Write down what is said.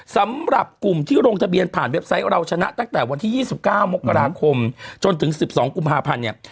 สำหรับกลุ่มที่ลงทะเบียนผ่านเว็บไซต์เราชนะตั้งแต่วันที่๒๙มกราคมจนถึง๑๒กุมภาพันธ์เนี่ย